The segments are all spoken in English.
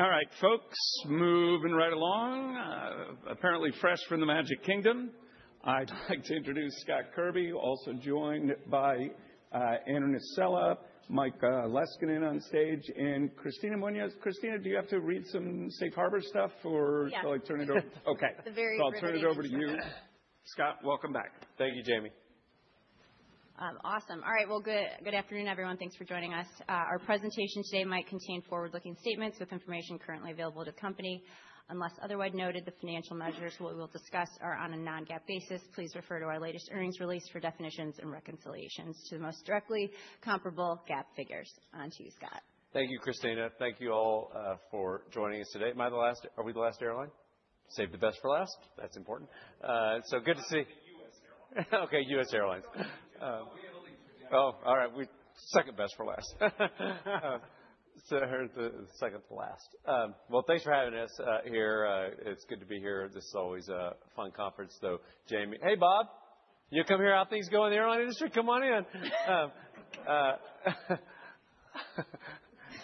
All right, folks, moving right along. Apparently fresh from the Magic Kingdom, I'd like to introduce Scott Kirby, also joined by Andrew Nocella, Mike Leskinen on stage, and Kristina Munoz. Kristina, do you have to read some safe harbor stuff or- Yeah. Shall I turn it over? Okay. The very riveting stuff. I'll turn it over to you. Scott, welcome back. Thank you, Jamie. Awesome. All right. Well, good afternoon, everyone. Thanks for joining us. Our presentation today might contain forward-looking statements with information currently available to the company. Unless otherwise noted, the financial measures we will discuss are on a non-GAAP basis. Please refer to our latest earnings release for definitions and reconciliations to the most directly comparable GAAP figures. On to you, Scott. Thank you, Kristina. Thank you all for joining us today. Are we the last airline? Save the best for last. That's important. Good to see. The US airlines. Okay, US airlines. No, we gotta leave. Oh, all right. Second to last. Well, thanks for having us here. It's good to be here. This is always a fun conference, though. Jamie, hey, Bob. You come here to hear how things go in the airline industry? Come on in.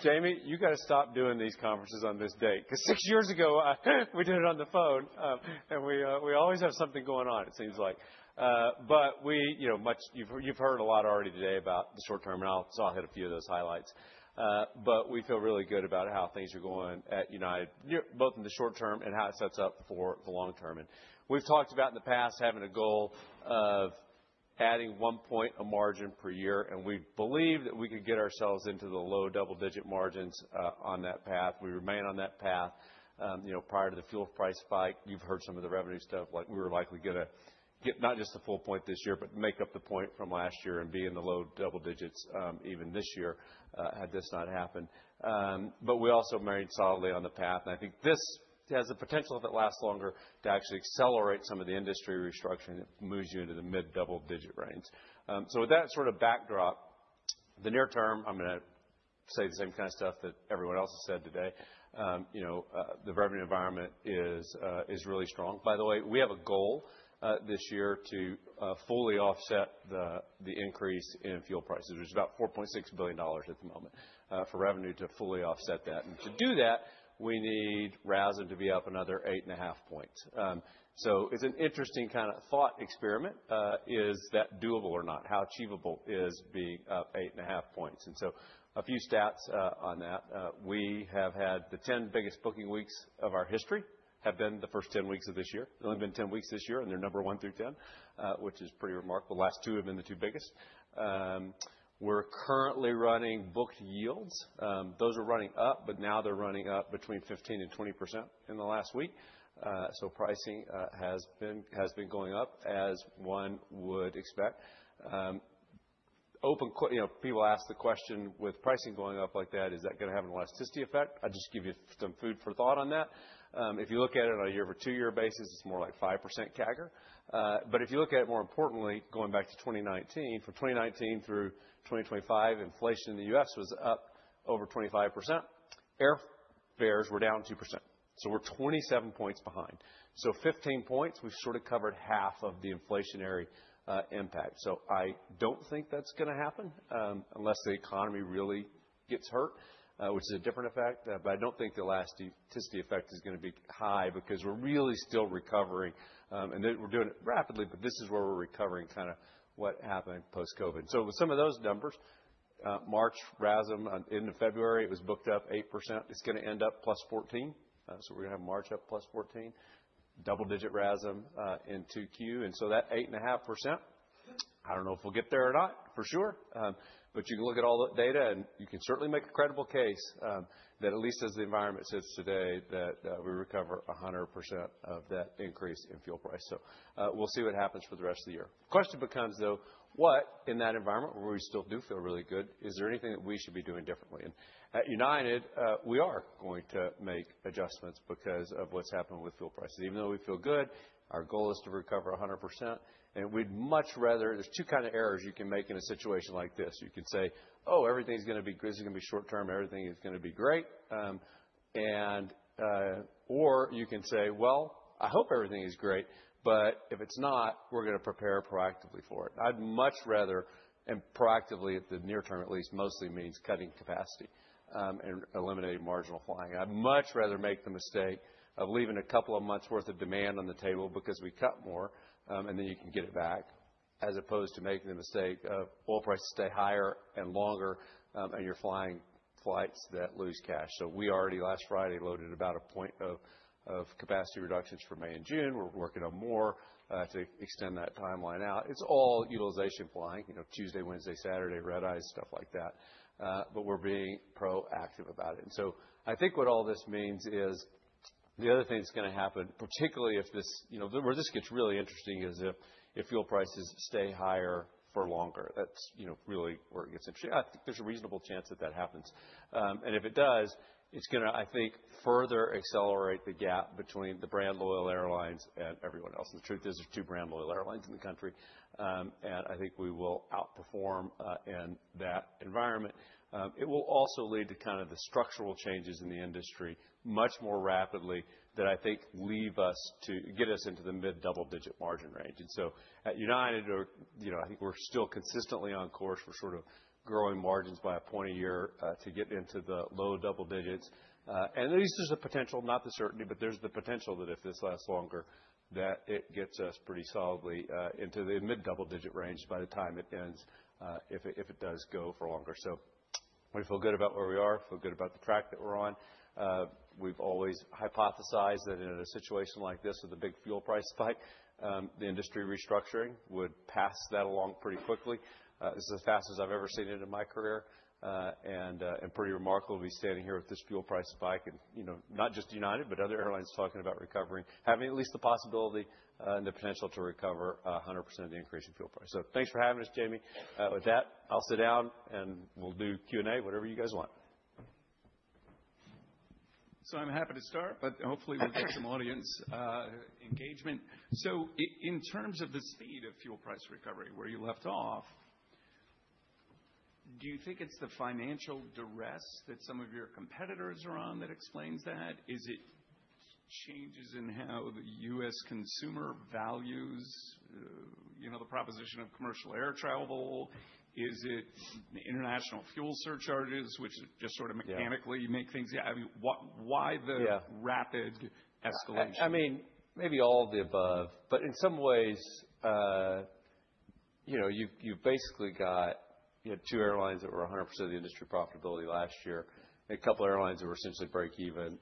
Jamie, you gotta stop doing these conferences on this date, 'cause six years ago, we did it on the phone, and we always have something going on, it seems like. We, you know, you've heard a lot already today about the short term, and so I'll hit a few of those highlights. We feel really good about how things are going at United, both in the short term and how it sets up for the long term. We've talked about in the past having a goal of adding 1 point of margin per year, and we believe that we could get ourselves into the low double-digit margins on that path. We remain on that path. You know, prior to the fuel price spike, you've heard some of the revenue stuff, like we were likely gonna get not just the full point this year, but make up the point from last year and be in the low double digits even this year had this not happened. We also remained solidly on the path, and I think this has the potential, if it lasts longer, to actually accelerate some of the industry restructuring that moves you into the mid-double digit range. With that sort of backdrop, the near term, I'm gonna say the same kind of stuff that everyone else has said today. You know, the revenue environment is really strong. By the way, we have a goal this year to fully offset the increase in fuel prices. There's about $4.6 billion at the moment for revenue to fully offset that. To do that, we need RASM to be up another 8.5 points. It's an interesting kind of thought experiment. Is that doable or not? How achievable is being up 8.5 points? A few stats on that. We have had the 10 biggest booking weeks of our history have been the first 10 weeks of this year. There's only been 10 weeks this year, and they're number one through 10, which is pretty remarkable. The last two have been the two biggest. We're currently running booked yields. Those are running up, but now they're running up between 15%-20% in the last week. Pricing has been going up as one would expect. You know, people ask the question, with pricing going up like that, is that gonna have an elasticity effect? I'll just give you some food for thought on that. If you look at it on a year-over-year basis, it's more like 5% CAGR. But if you look at it more importantly, going back to 2019, from 2019 through 2025, inflation in the US was up over 25%. Airfares were down 2%, so we're 27 points behind. 15 points, we've sort of covered half of the inflationary impact. I don't think that's gonna happen, unless the economy really gets hurt, which is a different effect, but I don't think the elasticity effect is gonna be high because we're really still recovering. We're doing it rapidly, but this is where we're recovering kind of what happened post-COVID. With some of those numbers, March RASM, end of February, it was booked up 8%. It's gonna end up +14. We're gonna have March up +14, double-digit RASM in 2Q. That 8.5%, I don't know if we'll get there or not for sure. You can look at all the data, and you can certainly make a credible case that at least as the environment sits today, that we recover 100% of that increase in fuel price. We'll see what happens for the rest of the year. The question becomes, though, what in that environment where we still do feel really good, is there anything that we should be doing differently? At United, we are going to make adjustments because of what's happening with fuel prices. Even though we feel good, our goal is to recover 100%. There's two kind of errors you can make in a situation like this. You can say, "Oh, everything's gonna be good. This is gonna be short-term. Everything is gonna be great." Or you can say, "Well, I hope everything is great, but if it's not, we're gonna prepare proactively for it." I'd much rather, and proactively at the near term at least mostly means cutting capacity, and eliminating marginal flying. I'd much rather make the mistake of leaving a couple of months worth of demand on the table because we cut more, and then you can get it back, as opposed to making the mistake of oil prices stay higher and longer, and you're flying flights that lose cash. We already last Friday loaded about a point of capacity reductions for May and June. We're working on more, to extend that timeline out. It's all utilization flying, you know, Tuesday, Wednesday, Saturday, red eyes, stuff like that. We're being proactive about it. I think what all this means is the other thing that's gonna happen, particularly where this gets really interesting is if fuel prices stay higher for longer. That's really where it gets interesting. I think there's a reasonable chance that that happens. If it does, it's gonna, I think, further accelerate the gap between the brand loyal airlines and everyone else. The truth is there's two brand loyal airlines in the country. I think we will outperform in that environment. It will also lead to kind of the structural changes in the industry much more rapidly that I think get us into the mid-double digit margin range. I think we're still consistently on course at United. We're sort of growing margins by a point a year, to get into the low double digits. At least there's a potential, not the certainty, but there's the potential that if this lasts longer, that it gets us pretty solidly, into the mid-double digit range by the time it ends, if it does go for longer. We feel good about where we are, feel good about the track that we're on. We've always hypothesized that in a situation like this with a big fuel price spike, the industry restructuring would pass that along pretty quickly. This is as fast as I've ever seen it in my career. Pretty remarkable to be standing here with this fuel price spike and, you know, not just United, but other airlines talking about recovering, having at least the possibility and the potential to recover 100% of the increase in fuel price. Thanks for having us, Jamie. With that, I'll sit down, and we'll do Q&A, whatever you guys want. I'm happy to start, but hopefully we'll get some audience engagement. In terms of the speed of fuel price recovery, where you left off, do you think it's the financial duress that some of your competitors are on that explains that? Is it changes in how the US consumer values, you know, the proposition of commercial air travel? Is it international fuel surcharges which just sort of mechanically make things? Yeah, I mean, why the rapid escalation? I mean, maybe all of the above, but in some ways, you know, you've basically got, you know, two airlines that were 100% of the industry profitability last year, and a couple airlines that were essentially breakeven.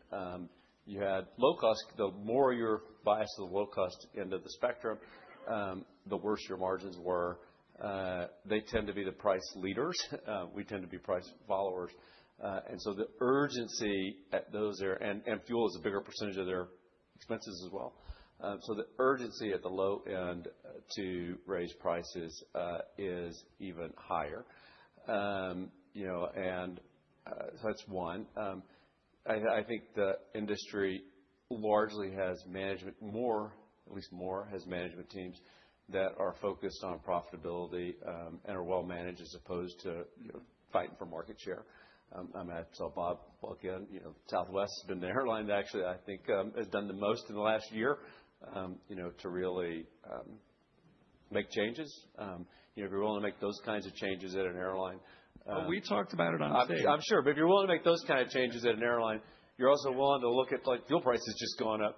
You had low cost. The more you're biased to the low cost end of the spectrum, the worse your margins were. They tend to be the price leaders. We tend to be price followers. And so the urgency at those and fuel is a bigger percentage of their expenses as well. So the urgency at the low end to raise prices is even higher. You know, so that's one. I think the industry largely has management teams that are focused on profitability and are well managed as opposed to, you know, fighting for market share. I might saw Bob walk in. You know, Southwest has been the airline that actually, I think, has done the most in the last year, you know, to really make changes. You know, if you're willing to make those kinds of changes at an airline. We talked about it on stage. I'm sure. If you're willing to make those kind of changes at an airline, you're also willing to look at, like, fuel prices just going up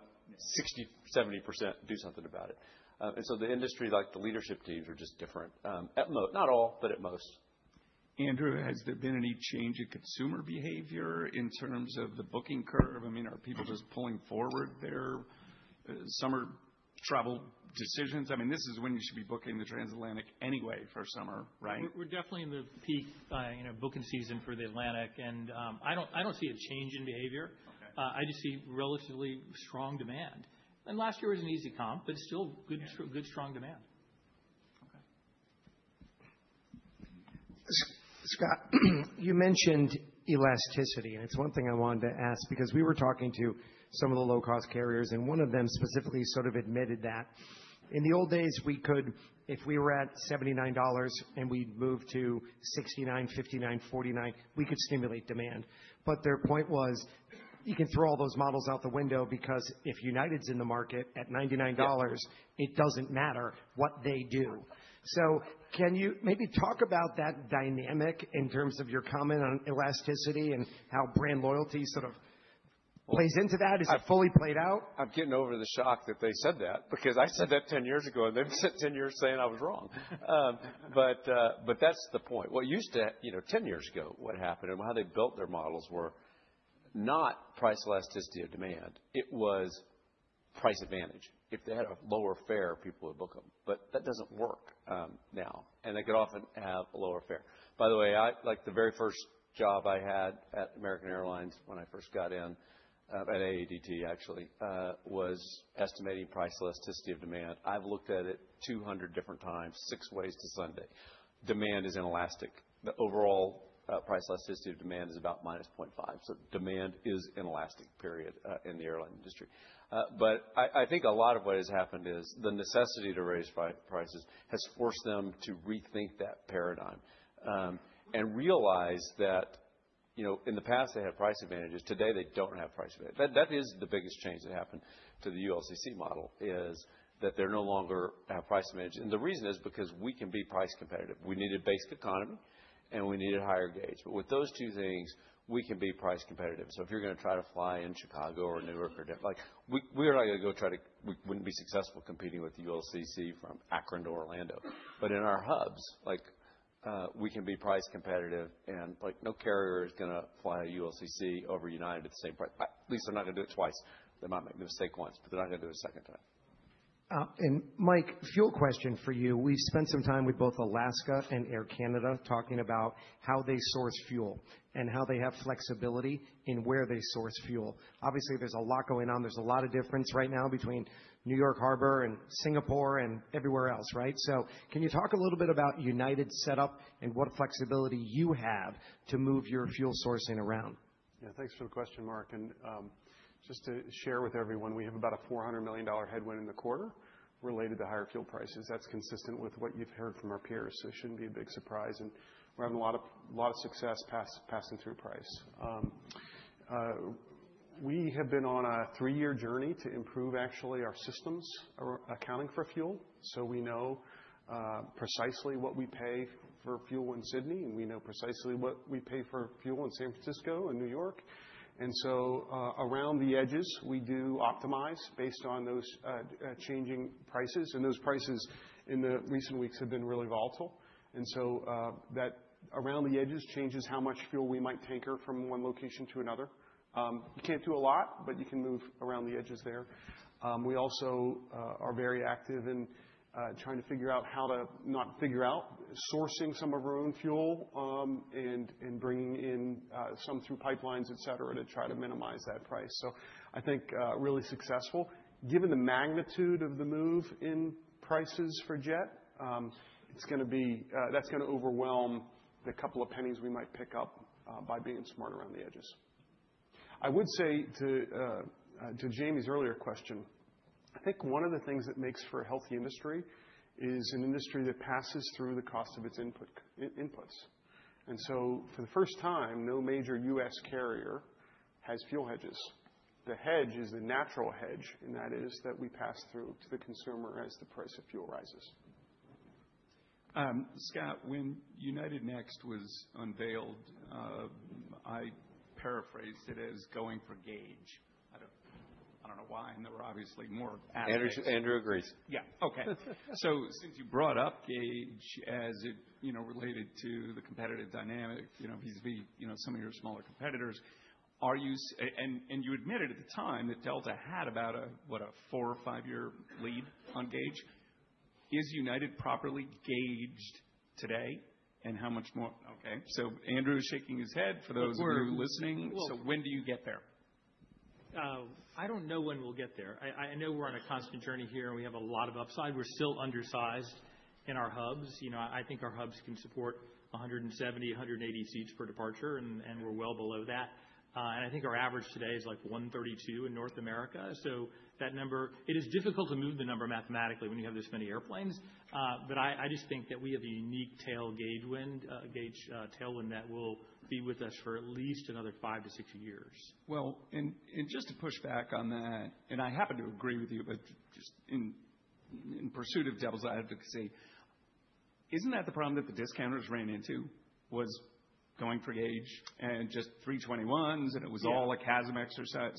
60%-70% and do something about it. The industry, like the leadership teams, are just different at most. Not all, but at most. Andrew, has there been any change in consumer behavior in terms of the booking curve? I mean, are people just pulling forward their summer travel decisions? I mean, this is when you should be booking the transatlantic anyway for summer, right? We're definitely in the peak, you know, booking season for the Atlantic, and I don't see a change in behavior. I just see relatively strong demand. Last year was an easy comp, but still good strong demand. Okay. Scott, you mentioned elasticity, and it's one thing I wanted to ask because we were talking to some of the low cost carriers, and one of them specifically sort of admitted that in the old days, we could, if we were at $79 and we moved to $69, $59, $49, we could stimulate demand. Their point was, you can throw all those models out the window because if United's in the market at $99, it doesn't matter what they do. Can you maybe talk about that dynamic in terms of your comment on elasticity and how brand loyalty sort of plays into that? Is it fully played out? I'm getting over the shock that they said that because I said that 10 years ago, and they've spent 10 years saying I was wrong. But that's the point. What used to, you know, 10 years ago, what happened and how they built their models were not price elasticity of demand. It was price advantage. If they had a lower fare, people would book them. That doesn't work now, and they could often have a lower fare. By the way, like, the very first job I had at American Airlines when I first got in, at AA actually, was estimating price elasticity of demand. I've looked at it 200 different times, six ways to Sunday. Demand is inelastic. The overall price elasticity of demand is about -0.5. Demand is inelastic, period, in the airline industry. I think a lot of what has happened is the necessity to raise prices has forced them to rethink that paradigm, and realize that, you know, in the past, they had price advantages. Today, they don't have price advantage. That is the biggest change that happened to the ULCC model, is that they no longer have price advantage. The reason is because we can be price competitive. We needed Basic Economy, and we needed higher gauge. With those two things, we can be price competitive. If you're gonna try to fly in Chicago or Newark, we are not gonna go. We wouldn't be successful competing with the ULCC from Akron to Orlando. In our hubs, like, we can be price competitive, and, like, no carrier is gonna fly a ULCC over United at the same price. At least they're not gonna do it twice. They might make the mistake once, but they're not gonna do it a second time. Mike, fuel question for you. We've spent some time with both Alaska and Air Canada talking about how they source fuel and how they have flexibility in where they source fuel. Obviously, there's a lot going on. There's a lot of difference right now between New York Harbor and Singapore and everywhere else, right? Can you talk a little bit about United's setup and what flexibility you have to move your fuel sourcing around? Yeah. Thanks for the question, Mark. Just to share with everyone, we have about a $400 million headwind in the quarter related to higher fuel prices. That's consistent with what you've heard from our peers, so it shouldn't be a big surprise. We're having a lot of success passing through price. We have been on a three-year journey to improve actually our systems accounting for fuel, so we know precisely what we pay for fuel in Sydney, and we know precisely what we pay for fuel in San Francisco and New York. That around the edges, we do optimize based on those changing prices, and those prices in the recent weeks have been really volatile. That around the edges changes how much fuel we might tanker from one location to another. You can't do a lot, but you can move around the edges there. We also are very active in trying to figure out sourcing some of our own fuel, and bringing in some through pipelines, et cetera, to try to minimize that price. I think really successful. Given the magnitude of the move in prices for jet, that's gonna overwhelm the couple of pennies we might pick up by being smart around the edges. I would say to Jamie's earlier question, I think one of the things that makes for a healthy industry is an industry that passes through the cost of its inputs. For the first time, no major US carrier has fuel hedges. The hedge is the natural hedge, and that is that we pass through to the consumer as the price of fuel rises. Scott, when United Next was unveiled, I paraphrased it as going for growth. I don't know why, and there were obviously more aspects. Andrew agrees. Yeah. Okay. Since you brought up gauge as it, you know, related to the competitive dynamic, you know, vis-à-vis, you know, some of your smaller competitors, and you admitted at the time that Delta had about a, what, a four or five year lead on gauge. Is United properly gauged today, and how much more? Okay. Andrew is shaking his head for those of you listening. Look, we're When do you get there? I don't know when we'll get there. I know we're on a constant journey here, and we have a lot of upside. We're still undersized in our hubs. You know, I think our hubs can support 170, 180 seats per departure, and we're well below that. I think our average today is, like, 132 in North America. That number. It is difficult to move the number mathematically when you have this many airplanes, but I just think that we have a unique gauge tailwind that will be with us for at least another five to six years. Just to push back on that, and I happen to agree with you, but just in pursuit of devil's advocate, isn't that the problem that the discounters ran into was going for gauge and just 321s, and it was all a CASM exercise.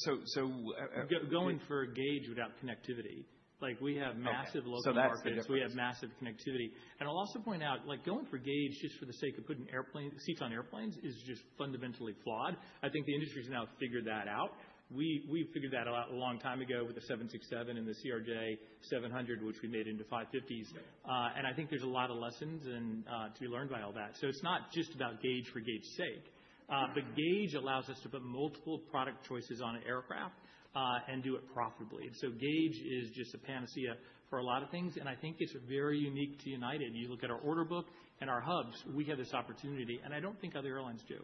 Going for a gauge without connectivity. Like, we have massive local markets. Okay. That's the difference. We have massive connectivity. I'll also point out, like, going for gauge just for the sake of putting airplane seats on airplanes is just fundamentally flawed. I think the industry has now figured that out. We figured that out a long time ago with the 767 and the CRJ-700, which we made into 550s. I think there's a lot of lessons and to be learned by all that. It's not just about gauge for gauge sake. Gauge allows us to put multiple product choices on an aircraft, and do it profitably. Gauge is just a panacea for a lot of things, and I think it's very unique to United. You look at our order book and our hubs, we have this opportunity, and I don't think other airlines do.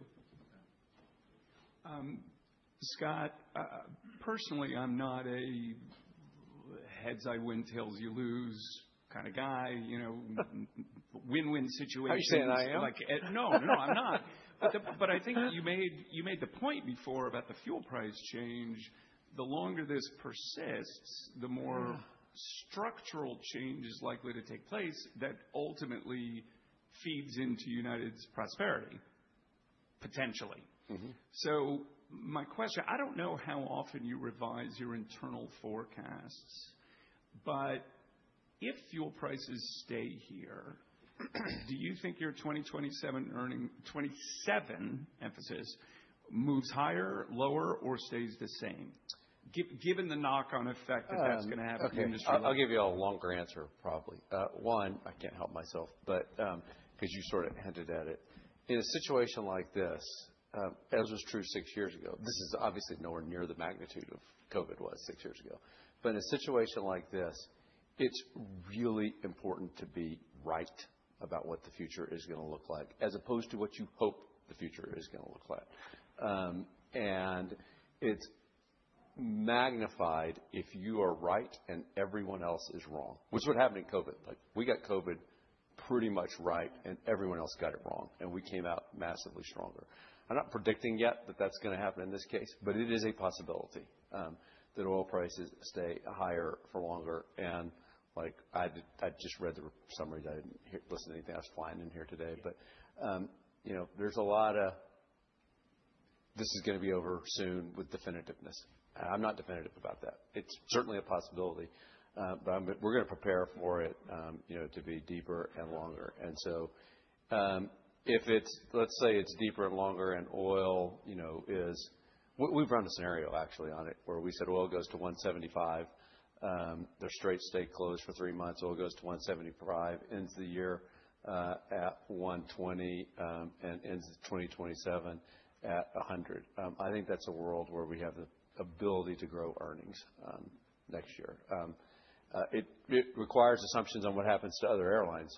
Okay. Scott, personally, I'm not a heads I win, tails you lose kind of guy, you know. Win-win situation. Are you saying I am? Like, no, I'm not. I think you made the point before about the fuel price change. The longer this persists, the more structural change is likely to take place that ultimately feeds into United's prosperity, potentially. My question, I don't know how often you revise your internal forecasts, but if fuel prices stay here, do you think your 2027 earnings, 2027 emphasis, moves higher, lower, or stays the same? Given the knock-on effect that that's gonna have in the industry. Okay. I'll give you a longer answer, probably. I can't help myself, but 'cause you sort of hinted at it. In a situation like this, as was true six years ago, this is obviously nowhere near the magnitude of COVID was six years ago. In a situation like this, it's really important to be right about what the future is gonna look like, as opposed to what you hope the future is gonna look like. It's magnified if you are right and everyone else is wrong, which is what happened in COVID. Like, we got COVID pretty much right, and everyone else got it wrong, and we came out massively stronger. I'm not predicting yet that that's gonna happen in this case, but it is a possibility that oil prices stay higher for longer. Like, I just read the summary. I didn't listen to anything. I was flying in here today. You know, there's a lot of, "This is gonna be over soon," with definitiveness. I'm not definitive about that. It's certainly a possibility, but we're gonna prepare for it, you know, to be deeper and longer. If it's deeper and longer and oil, you know, is. We've run a scenario actually on it, where we said oil goes to $175. The Strait stay closed for three months. Oil goes to $175, ends the year at $120, and ends 2027 at $100. I think that's a world where we have the ability to grow earnings next year. It requires assumptions on what happens to other airlines.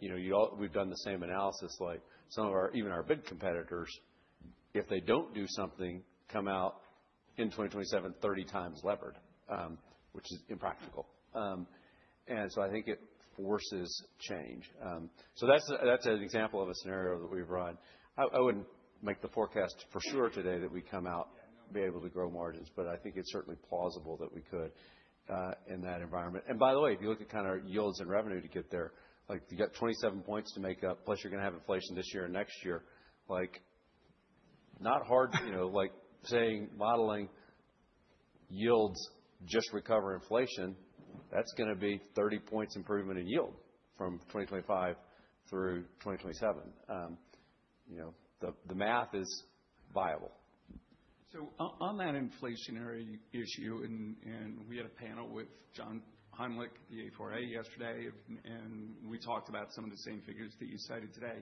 You know, you all, we've done the same analysis, like some of our, even our big competitors, if they don't do something, come out in 2027, 30 times levered, which is impractical. I think it forces change. That's an example of a scenario that we've run. I wouldn't make the forecast for sure today that we come out, be able to grow margins, but I think it's certainly plausible that we could, in that environment. By the way, if you look at kind of yields and revenue to get there, like you got 27 points to make up, plus you're gonna have inflation this year and next year. Like, not hard, you know, like saying modeling yields just recover inflation, that's gonna be 30 points improvement in yield from 2025 through 2027. You know, the math is viable. On that inflationary issue, and we had a panel with John Heimlich, the A4A yesterday, and we talked about some of the same figures that you cited today.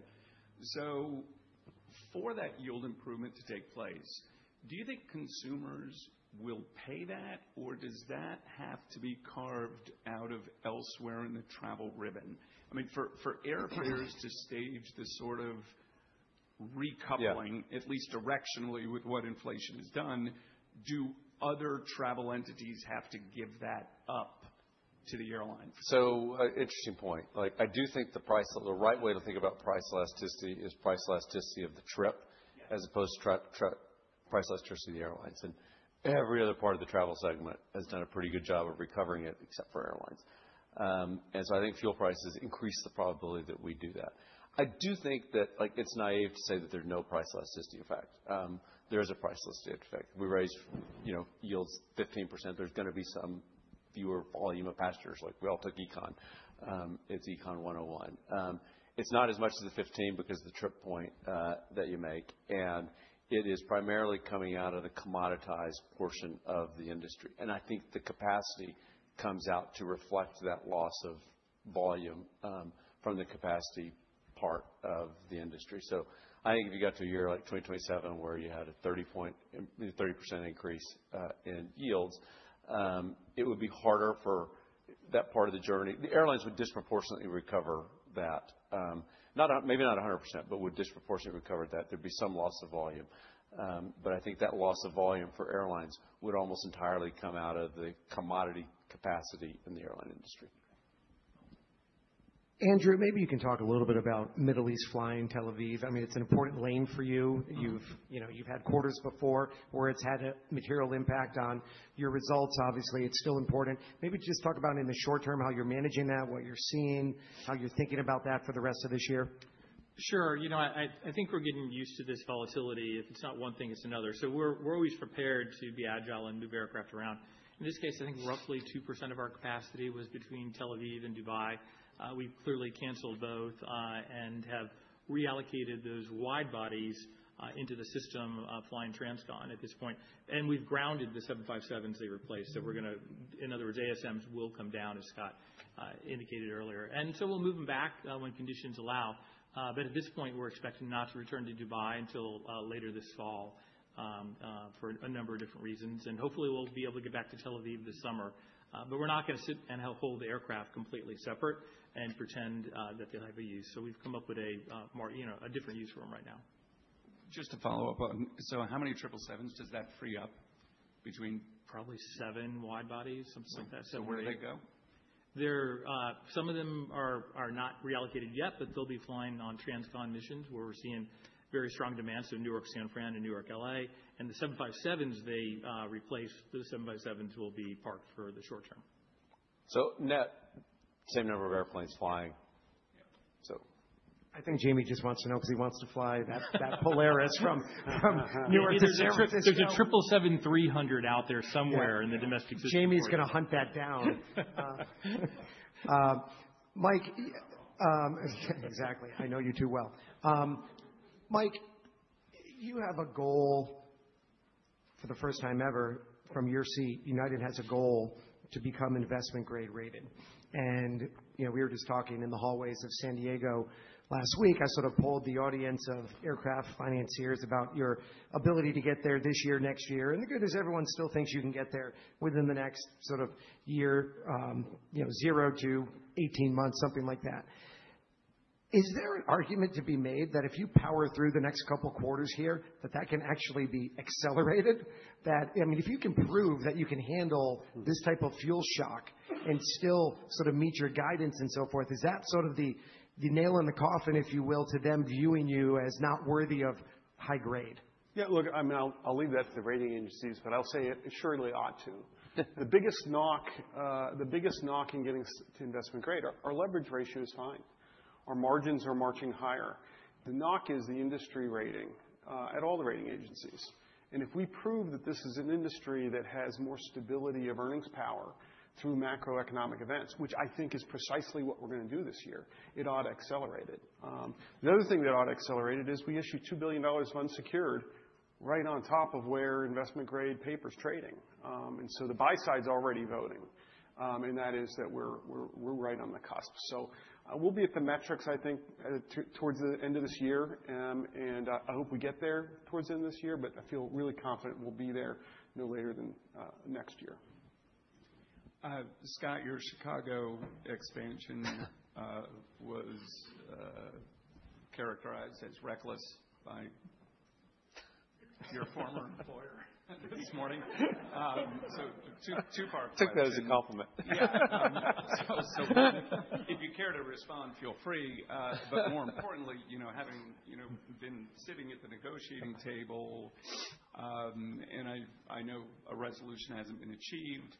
For that yield improvement to take place, do you think consumers will pay that, or does that have to be carved out of elsewhere in the travel ribbon? I mean, for airfares to stage the sort of recoupling at least directionally with what inflation has done. Do other travel entities have to give that up to the airlines? Interesting point. Like, I do think the price, the right way to think about price elasticity is price elasticity of the trip, as opposed to price elasticity of the airlines. Every other part of the travel segment has done a pretty good job of recovering it, except for airlines. I think fuel prices increase the probability that we do that. I do think that, like, it's naive to say that there's no price elasticity effect. There is a price elasticity effect. We raise, you know, yields 15%, there's gonna be some lower volume of passengers. Like, we all took econ, it's Econ 101. It's not as much as the 15 because the trip point that you make, and it is primarily coming out of the commoditized portion of the industry. I think the capacity comes out to reflect that loss of volume from the capacity part of the industry. I think if you got to a year like 2027, where you had a 30% increase in yields, it would be harder for that part of the journey. The airlines would disproportionately recover that. Maybe not 100%, but would disproportionately recover that. There'd be some loss of volume. I think that loss of volume for airlines would almost entirely come out of the commodity capacity in the airline industry. Andrew, maybe you can talk a little bit about Middle East flying Tel Aviv. I mean, it's an important lane for you. You've, you know, you've had quarters before where it's had a material impact on your results. Obviously, it's still important. Maybe just talk about in the short term, how you're managing that, what you're seeing, how you're thinking about that for the rest of this year. Sure. You know, I think we're getting used to this volatility. If it's not one thing, it's another. We're always prepared to be agile and move aircraft around. In this case, I think roughly 2% of our capacity was between Tel Aviv and Dubai. We've clearly canceled both and have reallocated those wide bodies into the system of flying transcon at this point. We've grounded the 757s they replaced. We're gonna, in other words, ASMs will come down, as Scott indicated earlier. We'll move them back when conditions allow. But at this point, we're expecting not to return to Dubai until later this fall for a number of different reasons. Hopefully we'll be able to get back to Tel Aviv this summer. We're not gonna sit and hold the aircraft completely separate and pretend that they'll ever be used. We've come up with a more, you know, a different use for them right now. Just to follow up. How many 777s does that free up between? Probably 7 wide bodies, something like that. Where do they go? They're some of them are not reallocated yet, but they'll be flying on transcon missions where we're seeing very strong demand, so New York, San Fran and New York, LA. The 757s they replace, those 757s will be parked for the short term. Net same number of airplanes flying. Yeah. So. I think Jamie just wants to know 'cause he wants to fly that Polaris from New York to San Francisco. There's a 777-300 out there somewhere in the domestic system. Jamie's gonna hunt that down. Mike, exactly. I know you too well. Mike, you have a goal for the first time ever from your seat. United has a goal to become investment grade rated. You know, we were just talking in the hallways of San Diego last week. I sort of polled the audience of aircraft financiers about your ability to get there this year, next year. The good news, everyone still thinks you can get there within the next sort of year, you know, 0-18 months, something like that. Is there an argument to be made that if you power through the next couple quarters here, that can actually be accelerated? That, I mean, if you can prove that you can handle this type of fuel shock and still sort of meet your guidance and so forth, is that sort of the nail in the coffin, if you will, to them viewing you as not worthy of high grade? Yeah, look, I mean, I'll leave that to the rating agencies, but I'll say it surely ought to. The biggest knock in getting us to investment grade. Our leverage ratio is fine. Our margins are marching higher. The knock is the industry rating at all the rating agencies. If we prove that this is an industry that has more stability of earnings power through macroeconomic events, which I think is precisely what we're gonna do this year, it ought to accelerate it. The other thing that ought to accelerate it is we issued $2 billion of unsecured right on top of where investment grade paper is trading. The buy side is already voting, and that is that we're right on the cusp. We'll be at the metrics, I think, towards the end of this year. I hope we get there towards the end of this year, but I feel really confident we'll be there no later than next year. Scott, your Chicago expansion was characterized as reckless by your former employer this morning. Two parts. Took that as a compliment. Yeah. If you care to respond, feel free. More importantly, you know, having, you know, been sitting at the negotiating table, and I know a resolution hasn't been achieved,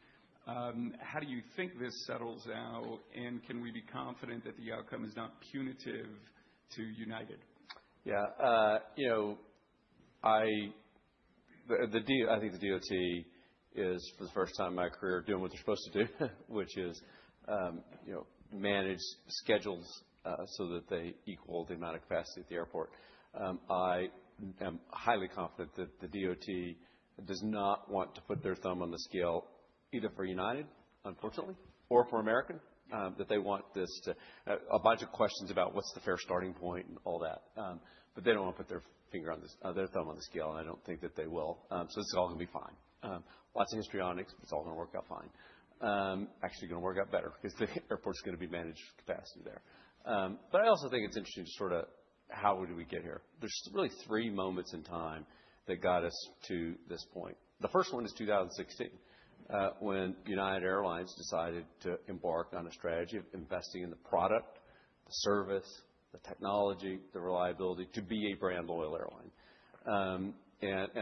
how do you think this settles out? Can we be confident that the outcome is not punitive to United? Yeah. You know, the deal, I think the DOT is for the first time in my career doing what they're supposed to do, which is, you know, manage schedules so that they equal the amount of capacity at the airport. I am highly confident that the DOT does not want to put their thumb on the scale either for United, unfortunately, or for American, that they want this to. A bunch of questions about what's the fair starting point and all that, but they don't want to put their thumb on the scale, and I don't think that they will. This is all gonna be fine. Lots of histrionics, it's all gonna work out fine. Actually gonna work out better because the airport's gonna be managed capacity there. I also think it's interesting to sort of how did we get here? There's really three moments in time that got us to this point. The first one is 2016, when United Airlines decided to embark on a strategy of investing in the product, the service, the technology, the reliability to be a brand loyal airline.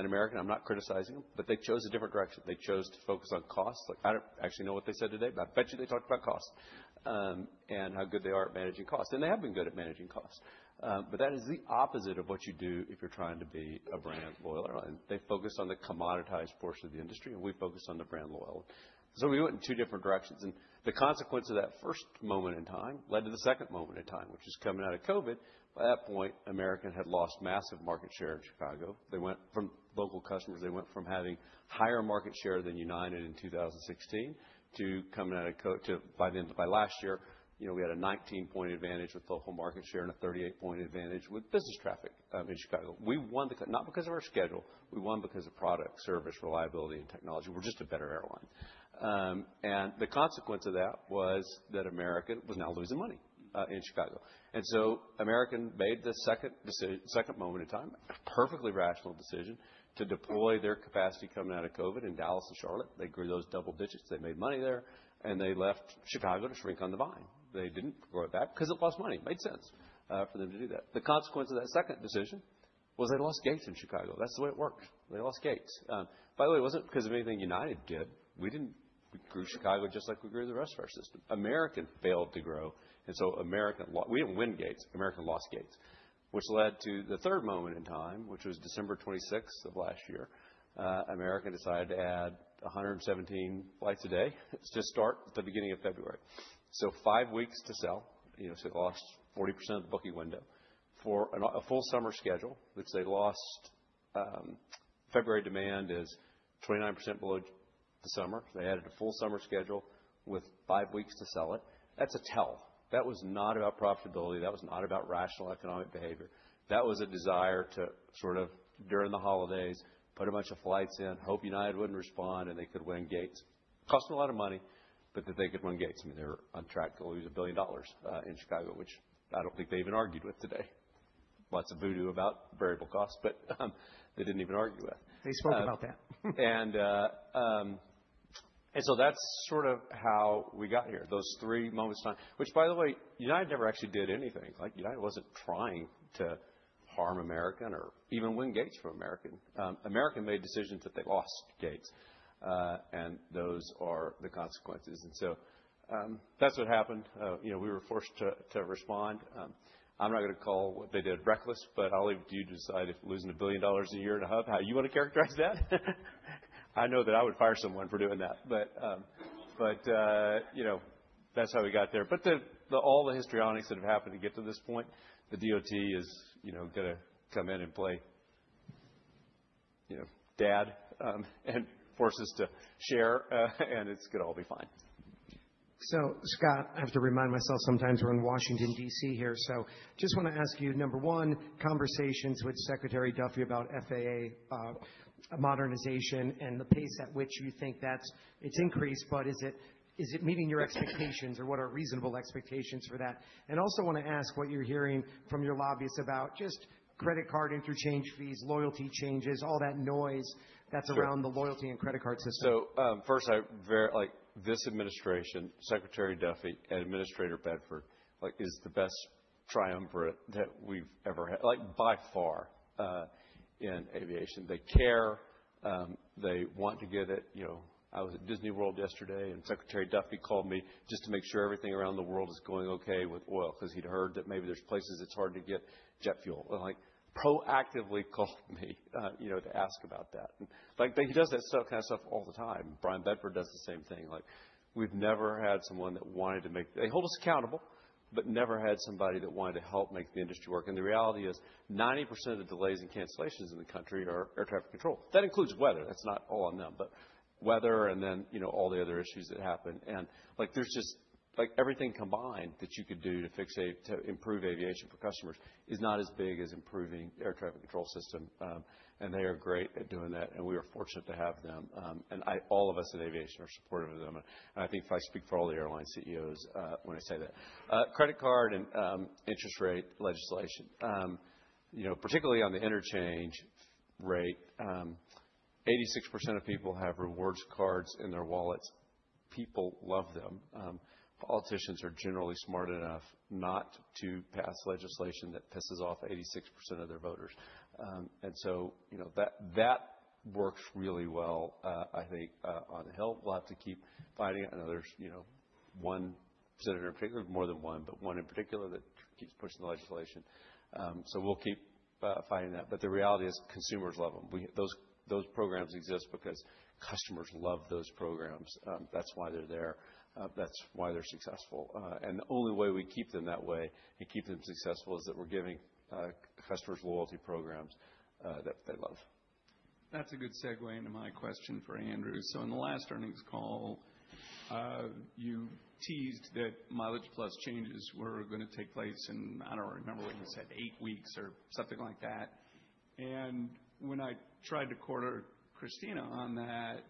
American, I'm not criticizing them, but they chose a different direction. They chose to focus on costs. Like, I don't actually know what they said today, but I bet you they talked about costs, and how good they are at managing costs. They have been good at managing costs. That is the opposite of what you do if you're trying to be a brand loyal airline. They focus on the commoditized portion of the industry, and we focus on the brand loyal. We went in two different directions, and the consequence of that first moment in time led to the second moment in time, which is coming out of COVID. By that point, American had lost massive market share in Chicago. They went from local customers. They went from having higher market share than United in 2016 to by last year, you know, we had a 19-point advantage with local market share and a 38-point advantage with business traffic in Chicago. We won not because of our schedule. We won because of product, service, reliability, and technology. We're just a better airline. The consequence of that was that American was now losing money in Chicago. American made the second moment in time, a perfectly rational decision to deploy their capacity coming out of COVID in Dallas and Charlotte. They grew those double digits. They made money there, and they left Chicago to shrink on the vine. They didn't grow it back because it lost money. Made sense for them to do that. The consequence of that second decision was they lost gates in Chicago. That's the way it worked. They lost gates. By the way, it wasn't because of anything United did. We grew Chicago just like we grew the rest of our system. American failed to grow, and so we didn't win gates. American lost gates, which led to the third moment in time, which was December 26th of last year. American decided to add 117 flights a day to start at the beginning of February. Five weeks to sell. You know, they lost 40% of the booking window for a full summer schedule, which they lost. February demand is 29% below the summer. They added a full summer schedule with five weeks to sell it. That's a tell. That was not about profitability. That was not about rational economic behavior. That was a desire to sort of, during the holidays, put a bunch of flights in, hope United wouldn't respond, and they could win gates. Cost them a lot of money, but that they could win gates. I mean, they're on track to lose $1 billion in Chicago, which I don't think they even argued with today. Lots of voodoo about variable costs, but they didn't even argue with. They spoke about that. That's sort of how we got here, those three moments in time. Which, by the way, United never actually did anything. Like, United wasn't trying to harm American or even win gates from American. American made decisions that they lost gates, and those are the consequences. That's what happened. You know, we were forced to respond. I'm not gonna call what they did reckless, but I'll leave you to decide if losing $1 billion a year at a hub, how you wanna characterize that. I know that I would fire someone for doing that. You know, that's how we got there. All the histrionics that have happened to get to this point, the DOT is, you know, gonna come in and play, you know, dad, and force us to share, and it's gonna all be fine. Scott, I have to remind myself sometimes we're in Washington, D.C. here, so just wanna ask you, number one, conversations with Secretary Duffy about FAA modernization and the pace at which you think that's increased, but is it meeting your expectations or what are reasonable expectations for that? Also wanna ask what you're hearing from your lobbyists about just credit card interchange fees, loyalty changes, all that noise that's around the loyalty and credit card system. Like this administration, Secretary Duffy and Administrator Bedford, like is the best triumvirate that we've ever had, like by far, in aviation. They care. They want to get it. You know, I was at Disney World yesterday, and Secretary Duffy called me just to make sure everything around the world is going okay with oil, 'cause he'd heard that maybe there's places it's hard to get jet fuel. Like, proactively called me, you know, to ask about that. Like, he does that kind of stuff all the time. Bryan Bedford does the same thing. They hold us accountable, but never had somebody that wanted to help make the industry work. The reality is, 90% of the delays and cancellations in the country are air traffic control. That includes weather. That's not all on them. Weather and then, you know, all the other issues that happen. Like, there's just like, everything combined that you could do to improve aviation for customers is not as big as improving the air traffic control system. They are great at doing that, and we are fortunate to have them. All of us in aviation are supportive of them. I think if I speak for all the airline CEOs, when I say that. Credit card and interest rate legislation. You know, particularly on the interchange rate, 86% of people have rewards cards in their wallets. People love them. Politicians are generally smart enough not to pass legislation that pisses off 86% of their voters. You know, that works really well, I think, on the Hill. We'll have to keep fighting it. I know there's, you know, one senator in particular, more than one, but one in particular that keeps pushing the legislation. We'll keep fighting that. The reality is, consumers love them. Those programs exist because customers love those programs. That's why they're there. That's why they're successful. The only way we keep them that way and keep them successful is that we're giving customers loyalty programs that they love. That's a good segue into my question for Andrew. In the last earnings call, you teased that MileagePlus changes were gonna take place in, I don't remember what you said, eight weeks or something like that. When I tried to corner Kristina on that,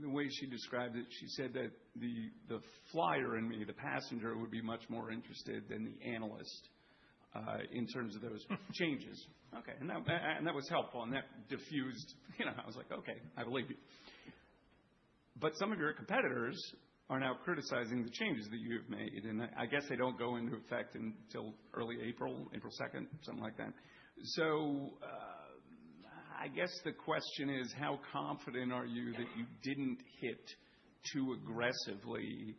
the way she described it, she said that the flyer in me, the passenger, would be much more interested than the analyst in terms of those changes. Okay, that was helpful, and that defused. You know, I was like, "Okay, I believe you." Some of your competitors are now criticizing the changes that you have made, and I guess they don't go into effect until early April 2nd, something like that. I guess the question is, how confident are you that you didn't hit too aggressively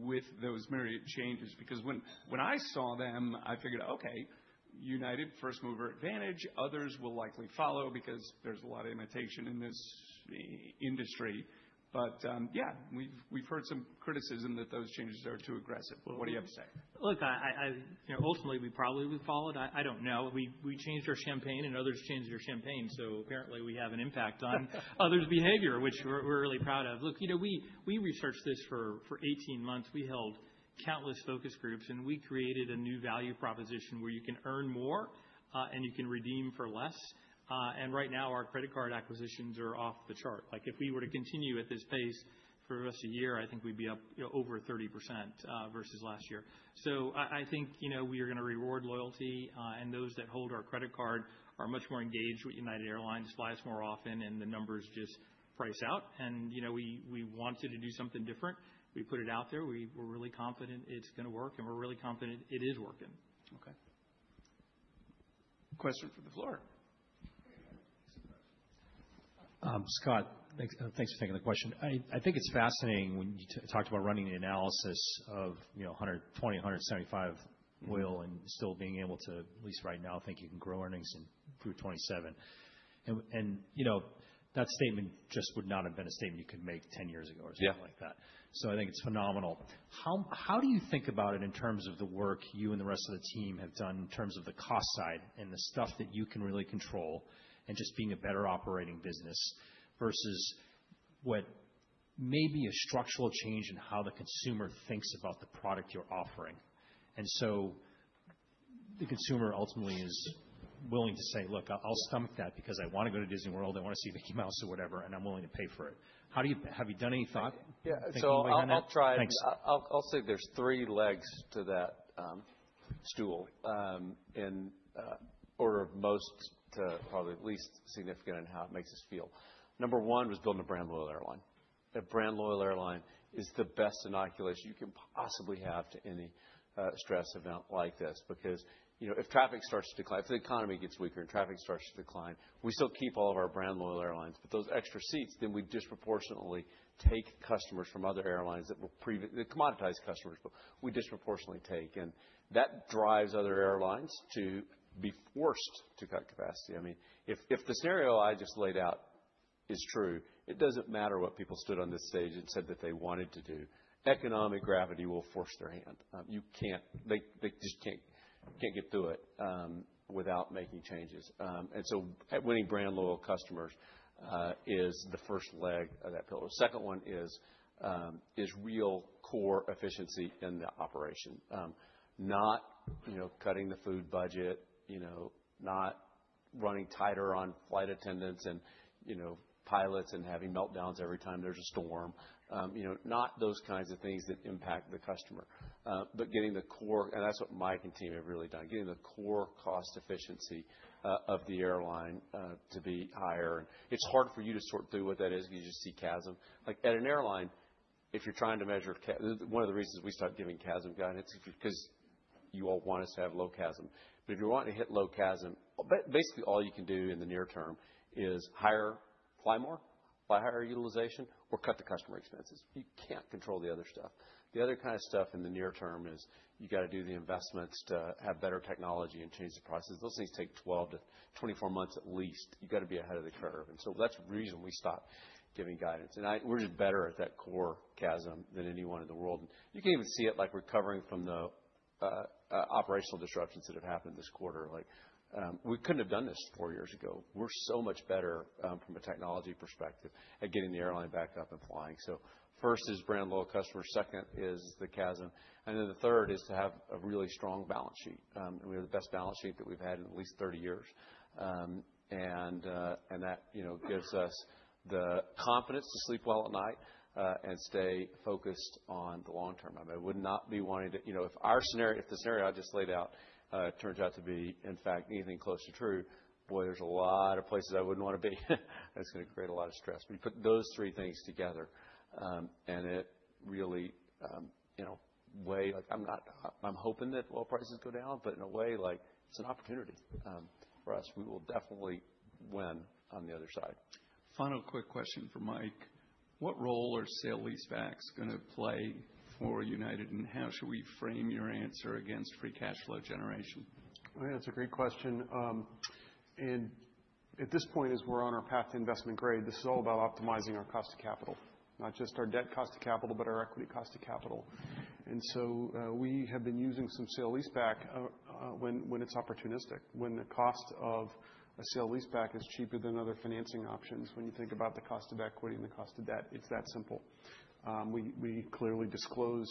with those myriad changes? Because when I saw them, I figured, okay, United first mover advantage, others will likely follow because there's a lot of imitation in this industry. Yeah, we've heard some criticism that those changes are too aggressive. What do you have to say? Look, I. You know, ultimately we probably will follow it. I don't know. We changed our campaign and others changed their campaign, so apparently we have an impact on others' behavior, which we're really proud of. Look, you know, we researched this for 18 months. We held countless focus groups, and we created a new value proposition where you can earn more, and you can redeem for less. Right now, our credit card acquisitions are off the chart. Like, if we were to continue at this pace for the rest of the year, I think we'd be up over 30% versus last year. I think, you know, we are gonna reward loyalty, and those that hold our credit card are much more engaged with United Airlines, flies more often, and the numbers just price out. You know, we wanted to do something different. We put it out there. We're really confident it's gonna work, and we're really confident it is working. Okay. Question from the floor. Scott, thanks. Thanks for taking the question. I think it's fascinating when you talked about running the analysis of, you know, $120-$175 oil and still being able to, at least right now, think you can grow earnings through 2027. You know, that statement just would not have been a statement you could make ten years ago or something like that. I think it's phenomenal. How do you think about it in terms of the work you and the rest of the team have done in terms of the cost side and the stuff that you can really control and just being a better operating business versus what may be a structural change in how the consumer thinks about the product you're offering? The consumer ultimately is willing to say, "Look, I'll stomach that because I wanna go to Disney World, I wanna see Mickey Mouse or whatever, and I'm willing to pay for it." Have you done any thought thinking about that? Thanks. I'll try. I'll say there's three legs to that stool. In order of most to probably least significant in how it makes us feel. Number one was building a brand loyal airline. A brand loyal airline is the best inoculation you can possibly have to any stress event like this because, you know, if traffic starts to decline, if the economy gets weaker and traffic starts to decline, we still keep all of our brand loyal airlines. But those extra seats, then we disproportionately take customers from other airlines that will commoditize customers, but we disproportionately take and that drives other airlines to be forced to cut capacity. I mean, if the scenario I just laid out is true, it doesn't matter what people stood on this stage and said that they wanted to do. Economic gravity will force their hand. They just can't get through it without making changes. Winning brand loyal customers is the first leg of that pillar. Second one is real core efficiency in the operation. Not, you know, cutting the food budget, you know, not running tighter on flight attendants and, you know, pilots and having meltdowns every time there's a storm. You know, not those kinds of things that impact the customer, but getting the core. That's what Mike and team have really done, getting the core cost efficiency of the airline to be higher. It's hard for you to sort through what that is because you just see CASM. Like at an airline, if you're trying to measure. One of the reasons we start giving CASM guidance is because you all want us to have low CASM. If you want to hit low CASM, basically all you can do in the near term is hire, fly more, fly higher utilization, or cut the customer expenses. You can't control the other stuff. The other kind of stuff in the near term is you gotta do the investments to have better technology and change the processes. Those things take 12-24 months at least. You gotta be ahead of the curve. That's the reason we stopped giving guidance. We're just better at that core CASM than anyone in the world. You can even see it like recovering from the operational disruptions that have happened this quarter. We couldn't have done this four years ago. We're so much better from a technology perspective at getting the airline back up and flying. First is brand loyal customer, second is the CASM, and then the third is to have a really strong balance sheet. We have the best balance sheet that we've had in at least 30 years. And that, you know, gives us the confidence to sleep well at night and stay focused on the long term. I would not be wanting to. You know, if our scenario, if the scenario I just laid out turns out to be, in fact, anything close to true, boy, there's a lot of places I wouldn't wanna be. That's gonna create a lot of stress. We put those three things together, and it really, you know, I'm hoping that oil prices go down, but in a way, like it's an opportunity for us. We will definitely win on the other side. Final quick question for Mike. What role are sale leasebacks gonna play for United, and how should we frame your answer against free cash flow generation? I mean, that's a great question. At this point, as we're on our path to investment grade, this is all about optimizing our cost of capital. Not just our debt cost of capital, but our equity cost of capital. We have been using some sale leaseback when it's opportunistic. When the cost of a sale leaseback is cheaper than other financing options. When you think about the cost of equity and the cost of debt, it's that simple. We clearly disclose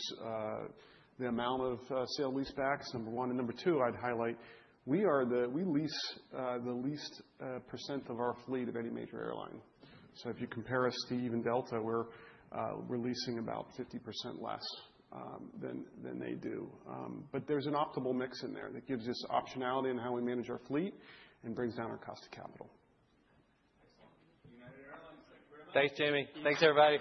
the amount of sale leasebacks, number one and number two. I'd highlight, we lease the least percent of our fleet of any major airline. If you compare us to even Delta, we're leasing about 50% less than they do. There's an optimal mix in there that gives us optionality in how we manage our fleet and brings down our cost of capital. Excellent. United Airlines, thank you very much. Thanks, Jamie. Thanks, everybody.